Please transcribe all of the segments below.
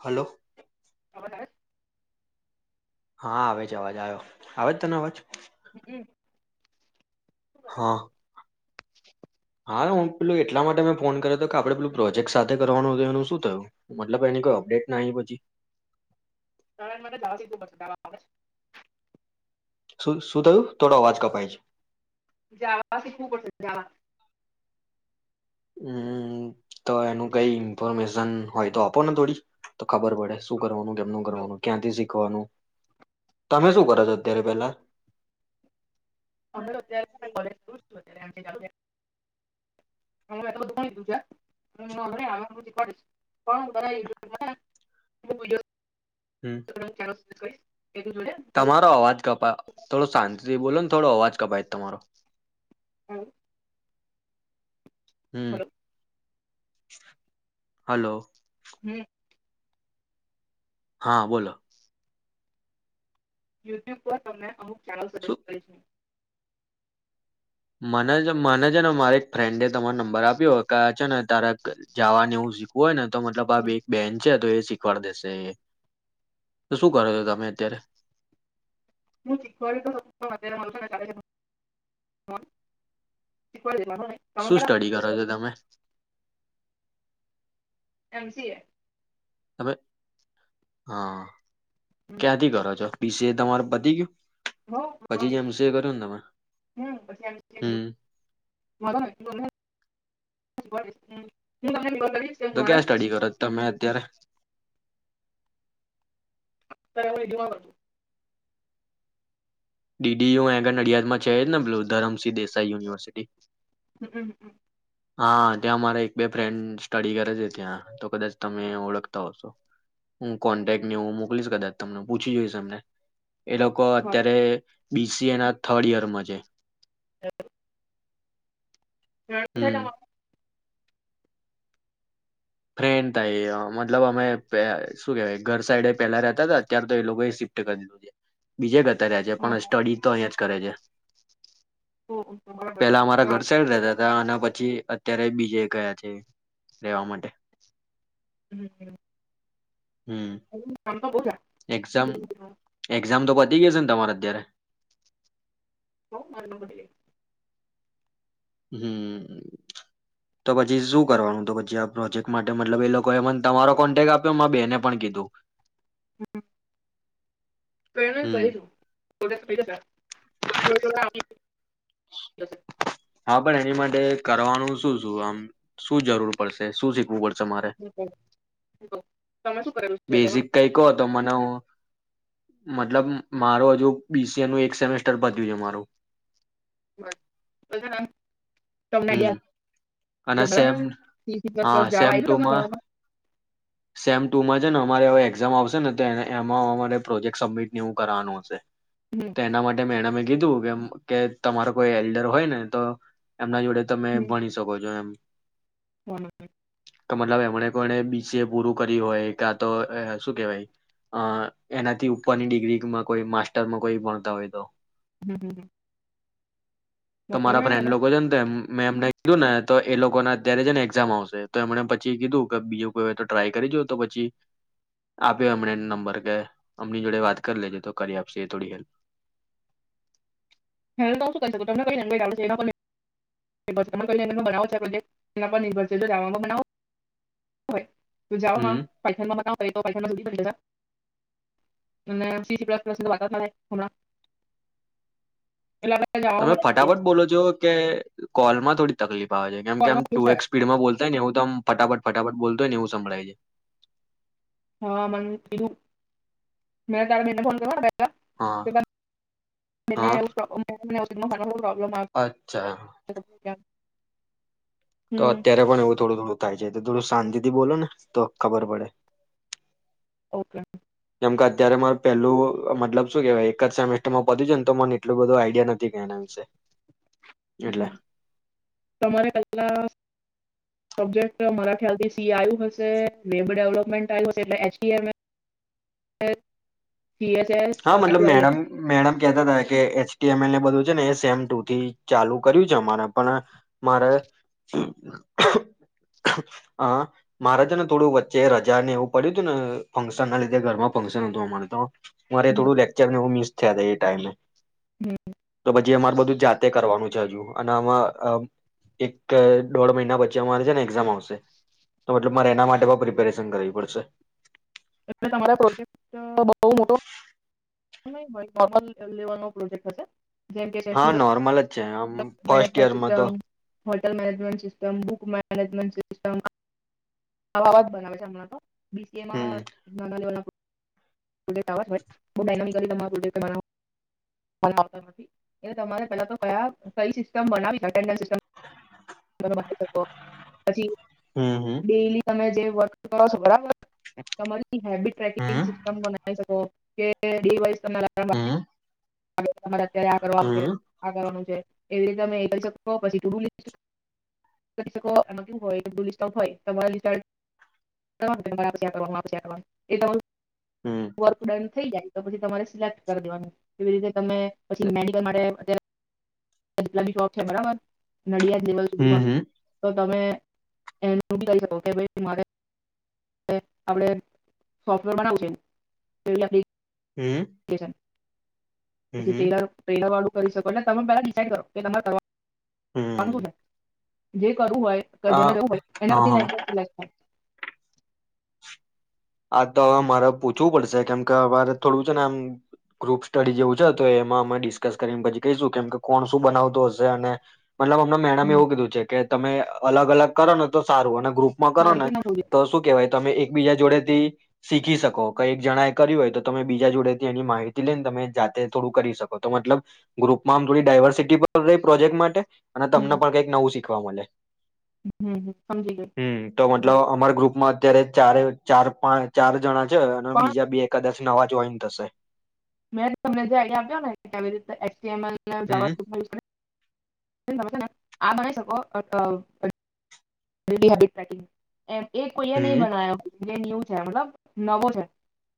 Hello હા આવે છે અવાજ આવ્યો આવે છે તને અવાજ [inaudible] હા હા હું પેલું એટલા માટે મેં ફોન કર્યો હતો કે આપડે પેલું પ્રોજેક્ટ સાથે કરવાનું હતું એનું શું થયું મતલબ એની કોઈ અપડેટ ના આઈ પછી સાડા આઠ વાગે જાવા કીધુ શું શું થયું થોડો અવાજ કપાય છે જવા શીખવું પડશે જાવા હમ તો એનું કઈ ઈન્ફોર્મેશન હોય તો આપો ને થોડી તો ખબર પડે શું કરવાનું કેમનું જો કરવાનું ક્યાંથી સીખ સીખવાનું તમે શું કરો છો અત્યારે પેલા અમે તો અત્યારે કોલેજ [unintelligible] [unintelligible] હ બધુંધું હડીશ પણ હમ [unintelligible] ક સુ [inaudible] તમારો અવાજ કપાય થોડો શાંતિથી બોલો ને થોડો અવાજ કપાય તમારો. હમ. હમ્ હલો. હમ્. હા બોલો. યુટ્યુબ પર તમને આવું ચારું શું સજેસ્ટ કરીશ. મનેજો. માને છે ને મારે એક ફ્રેન્ડે તમારે નંબર આપ છે ને તારક જવાને એવું શીખવું હોય ને તો મતલબ આ બે એક બેન છે તો એ શિ શિખવાડ દેશે એ, તો શું કરો છો તમે અત્યારે હું શિખવાડી તો [inaudible] પણ અત્યારે મારે છે ને [inaudible] તમે શું સ્ટડી કરો કેટલા છો તમે એમસીએ. અવે હા. હું ક્યાથી કરો છો બીસીએ. તમારે પતી ગયુ હ હમ [inaudible] [inaudible] તો ક્યાં સ્ટડી કરો તમે અત્યારે ત્યારે [unintelligible] જોવા ડી ડી યુ અહીંયા આગળ નડિયાદમાં છે જ ને બ્લુ ધરમસિંહ દેસાઈ યુનિવર્સિટી. હમ્મ. હા ત્યાં મારા એક બે ફ્રેન્ડ સ્ટડી કરે છે ત્યાં તો કદાચ તમે ઓળખતા હશો હું કોન્ટેક ને હું મોકલીશ કદાચ તમને પૂછી જોઈશ એમને. એ લોકો અત્યારે બી સી એ ના થર્ડ યર માં છે. હમ [unintelligible] ફ્રેન્ડ થાય એ મતલબ અમે [unintelligible] શું કેવાય ઘર સાઇડ એ પેલા રતા હતા અત્યારે તો એ લોકોએ શિફ્ટ કરી દીધું છે બીજે ઘર. તે રહે‌છે પણ સ્ટડી તો અહીં જ કરે છે. કરું. પેલા અમારા ઘર સાઇડ રહેતા હતા અને પછી અત્યારે બી જે ગયા છે, રેવા માટે. હમ્મ. હમ [inaudible] એક્ઝામ એકઝામ આમ તો પતી ગઈ હશે ને તમારે અત્યારે? બો [unintelligible] હમ્મ તો પછી શું કરવાનું તો પછી આ પ્રોજેક્ટ માટે મતલબ એ લોકો એ મને તમારો કોન્ટેક આપ્યો માર બેને પણ કીધું. [inaudible] તો એને હમ કહી દઉં [inaudible] [inaudible] હા પણ એની માટે કરવાનું શું શું? આમ શું જરૂર પડશે શું શીખવું પડ? તમે શું કરેલુંછ? બેઝિક કાઈ કો હતો મને હો. મતલબ મારું હજુ બી સી એ નું એક સેમેસ્ટર પતી ગયું મારું. [inaudible] તમને હમ્મ આઈડિયા અને છે બરાબર સેમ સી સી પ્લસ હા પ્લસ જાવા સેમ આયવું ટુમાં તમારા ભણવામાં? સેમ ટુમાં જ છે ને અમારે હવે એક્ઝામ આવશે ને તો એમાં અમારે પ્રોજેક્ટ સબમિટને એવું કરાવાનું હશે. હમ. તે એના માટે મેડમે કીધું કે એમ કે તમારે કોઈ એલ્ડર હોય ને તો એમના જોડે તમે હમ. ભણી શકો છો એમ. [inaudible] તો મતલબ એમણે કોણે બી સી એ પૂરું કરીયું હોય કા તો શું કેહેવાય અ એનાથી ઉપરની ડિગ્રીમાં કોઈ માસ્ટરમાં કોઈ ભણતા હોય તો. હમ્મ હમ્મ. તમારા ફ્રેન્ડ લોકો છે ને એમ મેં એમને કીધું ને તો એ લોકોને અત્યારે છે ને એક્ઝામ આવશે તો એમને પછી કીધું કે બીજું કોઈ હોય તો ટ્રાય કરી જોવો તો પછી આપ્યો એમણે નંબર કે અમની જોડે વાત કર લેજે તો કરી આપશે એ થોડી હેલ્પ. હેલ્પ તો હું શું કરી શકું તમને [inaudible] એના પર નિર્ભર છે. હોય. તો જાવમાં હમ [inaudible] [inaudible] એટલે આપણે તમે જાવામાં બનાવીએ ફટાફટ બોલો છો કે કોલ માં થોડી તકલીફ આવે છે કેમ કે આમ ફોનમાં ટુ શું છે એકસ્પીડમાં બોલતા હોય ને એવું તો આમ ફટાફટ ફટાફટ બોલતો હોય ને એવું સંભળાય છે. હહ મન કીધું મેં તારી બેનને ફોન કર્યો હા હા ને અચ્છા [inaudible] [inaudible] [inaudible] તો અત્યારે પણ એવું થોડું થોડું થાય છે તો થોડુસ શાંતિથી બોલો ને તો ખબર પડે. ઓકે. કેમ કે અત્યારે મા પેલું મતલબ શું કેવાય એક જ સેમેસ્ટર માં પતી ગિયું ને તો મને એટલું બધું આઈડિયા નથી કે આના વિશે. હ એટલે તમારે પટલા સબ્જેક્ટ મરાઠી હલથી સી આવ્યું હશે [unintelligible] હા બસ મતલબ આટલું આવ્યું મેડમ મેડમ કેતા હતા કે એચ ટી એમ એલ ને બધું છે ને સેમ ટુ થી ચાલુ કર્યું છે અમારા પણ મારે અ મારે છે ને થોડું વચ્ચે રજા ને એવું પડ્યું તું ને ફંક્શન ના લીધે ઘરમાં ફંક્શન હતું અમારુ તો મારે થોડું લેક્ચર ને એવુ મિસ [unintelligible] ઈ ટાઈમને હશે તો બ જે અમાર બધું જાતે કરવાનું છે હજુ અને આમાં અ એક ત દોઢ મહિના પછી અમારે છે ને એક્ઝામ આવશે તો મતલબ મારે એના માટે પ પ્રિપેરેશન કરવી પડશે. [unintelligible] પ્રોજેક્ટ બઉ મોટો નઈ હોય પ્રોપર લેવાનો પ્રોજેક્ટ હશે. જેમ કે હા સ્ટુડન્ટ નોર્મલ જ છે આમ ફર્સ્ટ [unintelligible] યરમાં તો system hotel management system book મેનેજન્ટ [unintelligible] વાજ બનાવે છે હમણાં તો. હમ બીસીમાં [unintelligible] લેવા [inaudible] હમ ડેલી તમે જે વર્ક કરો છો બરાબર. તમારી હેડી ટ્રેકિંગ હમ સીસ કરે છે તો તે ડી વાઇસ [inaudible] [inaudible] હમ તમારા ત્યાં કરવાનું છે હમ આ કરવાનું છે. એવી રીતે તમે એ કરી શકો પછી [unintelligible] કરી શકો [unintelligible] હોય તો [unintelligible] હમ વર્ક ડે થઈ જાય તો પછી તમારે સિલેક્ટ કરી દેવાનું એવી રીતે. તમે પછી મેડિકલ રો અત્યારે [unintelligible] શોખ છે બરાબર. નડિયાદ લેબલ હમ સુધીમાં હમ તમે એ બ ક શકો કે ભરે [inaudible] આપડે સોફ્ટવેર બનાવ છે એ આપ હમ્મ. પછી લર ટેલર વાળું કરી શકો એટલે તમે પેલા ડિસાડ કરો કે તમાર ક કોણ હમ બોલે? જે કરવું હોય તો હ જેને હા જવું પડે એને પછી હા લઈ [inaudible] આ તો હવે મારે પૂછવું પડશે કેમકે અમારે થોડું છે ને આમ ગ્રુપ સ્ટડી જેવું છે તો એમાં અમે ડિસ્કસ કરીને પછી કહીશું કેમકે કોણ શું બનાવતું હશે અને મતલબ અમને મેણામે થાય એવું કીધું છે કે તમે અલગ અલગ કરો ને તો સારું હને ગ્રુપ માં હા કરો ને રિપીટ ના થવું જોઈએ તો શું કેવાય? તમે એકબીજા જોડે થી શીખી શકો. કઈ એક જણા એ કર્યું હોય તો તમે બીજા જોડેથી એની માહિતી લઈને તમે જાતે થોડું કરી શકો તો મતલબ ગ્રુપમાં આમ થોડી ડાયવર્સિટી રહી પ્રોજેક્ટ માટે અને તમને પણ કઈ નવું શીખ ખવા મલે. હમ હમ સમજી ગઈ હમ્મ. તો મતલબ બરાબર અમારા ગ્રુપમાં જ્યારે ચારે ચાર પા ચાર જણા અને પણ બીજા બે કદાચ નવા જોઈન થશે. મેં તમને જે આઈડિયા આપ્યો ને કેવી રીતે એક્સ હમ [inaudible] [inaudible] છે ને આ બનાઈ શકો અથવા [inaudible] એમ એ કોઈ એ નહી હમ બનાયો. જે ન્યુ છે મતલબ નવો છે.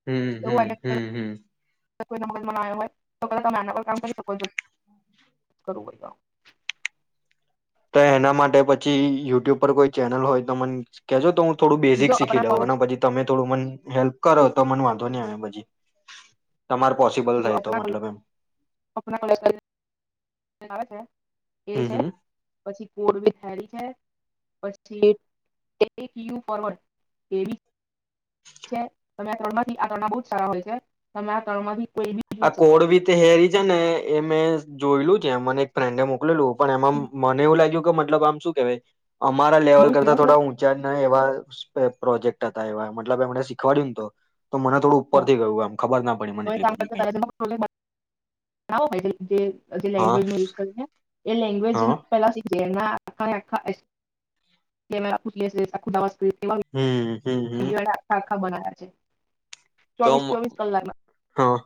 હમ્મ એવું હમ્મ હમ્મ આઈડિયા હમ્મ. [inaudible] તો એના માટે પછી યુટ્યુબ પર કોઈ ચેનલ હોય તો મને કેજો તો હું થોડું બેઝિક જો શીખી અપના લવ કોલેજ અને પછી તમે થોડું મન હેલ્પ કરો તો મને વાંધો નહી આવે પછી. તમારે પોસિબલ જો થાય તો આપણા કોલ મતલબ એમ આપણા કોલેજ [inaudible] આવે [unintelligible] હમ હમ [inaudible] [inaudible] યુ ફોરવર્ડ એવી ચે તમારે આ ત્રણમાંથી આ ત્રણના બહુ જ સારા હોય છે. તમે આ ત્રણમાંથી કોઈ બી આ જોઈ શકો છો. કોડવી તે હેરી છે ને એ મે જોયેલું છે, મને એક ફ્રેન્ડએ મોકલેલું. પણ એમમ મને એવું લાગ્યું [unintelligible] મતલબ આમ શું કહેવાય? અમારા બહુ લેવલ કરતા સ્ટીલો છે. થોડા ઊંચા ના એવા સ્પે પ્રોજેક્ટ હતા એવા, મતલબ એમને શીખવાડ્યું તું. તો મને થોડુંક ઉપરથી ગયું એમ, ખબર ના પડી મને એટલી બધી કાઈ. [unintelligible] જે-જે હા લેંગ્વેજ નું યુઝ કરીને એ લેંગ્વેજ હા પેલાથી જ એના આખા એ આખા [unintelligible] કેમેરા [unintelligible] હમ્મ. બીજીવાર [unintelligible] ખબર આયા છે. તો ચોવીસ મ ચોવીસ કલાકમાં હા,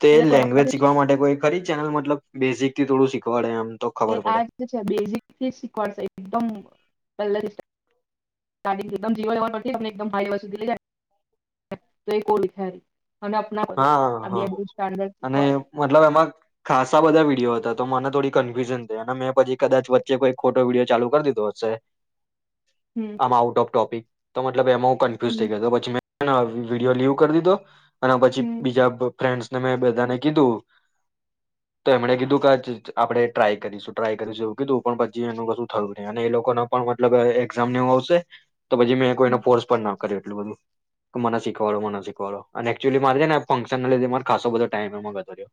તે એટલે તું એના લેંગ્વેજ શીખ શીખવા માટે કોઈ ખરી ચેનલ મતલબ બૈઝિક? થી થોડું શીખવાડે એમ. તો એ ખબર પડે આજ જે છે, બેઝિકથી જ શીખવાડશે એકદમ. [inaudible] કોલેજ હા, હા, આ હા, બે બહુ સ્ટાન્ડર્ડ અને શીખવાડે મતલબ એમાં ખાસા બધા વિડીયો હતા, તો મને થોડીક કફ્યુઝન થઈ અને મેં પછી કદાચ વચ્ચે કોઈ ખોટો વિડીયો ચાલુ કર દીધો હશે. હમ આમાં આઉટ ઓફ ટોપિક તો મતલબ એમો કન્ફ્યુઝ હમ થઈ ગયો તો પછી મે નો વિડીયો લીવ કર દીધો અને પ હમ બીજા બ ફ્રેન્ડસને મેં બધાને કીધું, તો એમણે કીધું કે આ જજ આપણે ટ્રાય કરીશું, ટ્રાય કરીશું એવું કીધું, પણ પછી એનું કશું થયું નહી અને એ લોકોને પણ મતલબ અહ એક્ઝામને એવું આવશે તો પછી મેં કોઈને ફોર્સ પણ ના એટલું બધું કે મને શીખવાડો, શીખવાડો. એક્ચ્યુલી, મારે છે ને. ફંક્શનને લીધે મારે ખાસો બધો ટાઈમ એમાં જતો રહ્યો.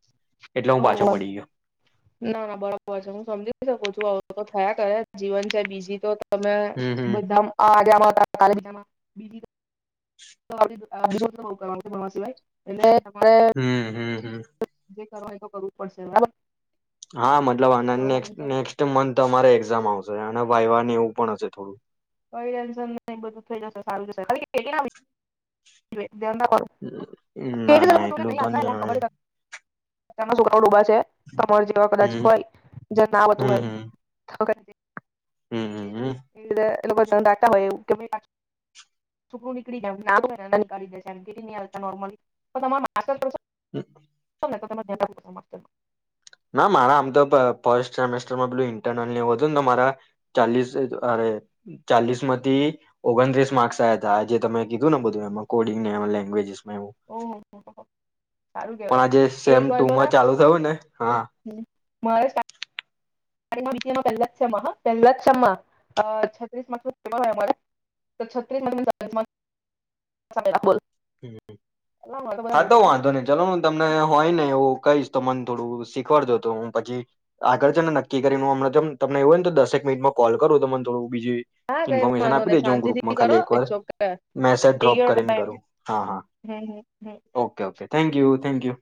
એટલે હું પાછો પડી ગયો ના, ના, બરોબર છે, હું સમજી શકું છું. આવું. તો થયા કરે, જીવન છે બીજી તો. તમે હમ હમ બધા હતા બીજામાં કાલે હતા. સ [unintelligible] સ એને [unintelligible] હમ, હમ, હમ. તોય એ તો કરવું જ પડશે બરાબર. હા મતલબ આના હવે તમે કઈ નેક્સ્ટ-નેક્સ્ટ મંથ અમારે એક્સ. ઝામ આવશે અને વાયવાને એવું પણ હશે થોડું. કઈ ટેન્શન નહી બધું થઈ જાશે સારું જશે. જો એ દે ત ના ના એટલું તો નહી હવે કબ [inaudible] [unintelligible] તમાર જેવા કદાચ હમ હોય જે ના આવડતું હમ હોય હમ [inaudible] હમ હમ એડ એ લોકો ઘ્યાન રાખતા હોય એવુ કે છોકરું નીકળી જાય કરી દે એમ કેટી નઈ આલતા નોર્મલી પણ તમાર હમ તો તમે મા [inaudible] ના મારા આમ તો ફ ફસ્ટ સેમિસ્ટરમાં પેલું ઈન્ટરનલને એવ હતું ને તો મારા ચાલીસએજ અરે ચાલીસ માંથી ઓગણત્રીસ માર્ક્સ આયા હતા જે તમે કીધું ને બધું એમાં કોડિંગને એ લેંગ્વેજિસ ઓહ હ હો પણ આજે સેમ ટુમાં ચાલુ થયું ને હા ને મારે સ્ટાર્ટ સ્ટાર્ટિંગમાં બીસીએમાં પહેલા જ સેમમાં હ પહેલા જ સેમમાં અ છત્રીસ માર્કસનું પેપર હોય એમાંથી તો છત્રીસ મારા છત્રીસ આવેલા બોલ હમ હા તો વાંધો નઈ ચલો હું તમને હોય ને એવું કહીશ તો મન થોડું શીખવાડજો તો હું પછી આગળ છે ને નક્કી કરીન હું તમને એવું હોયન તો દસેક મિનિટમાં કોલ કરું તમન બીજી હા કઈ ઈન્ફોર્મેશન વાંધો આપી નહી દેજો હું શાંતિથી ગ્રુપમાં કરો ખાલી એક વાર it's okay message take drop your કરીન ટાઈમ કરું હા હા હમ હમ okay okay thank you thank you